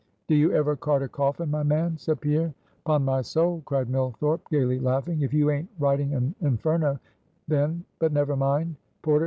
"Do you ever cart a coffin, my man?" said Pierre. "'Pon my soul!" cried Millthorpe, gayly laughing, "if you aint writing an Inferno, then but never mind. Porter!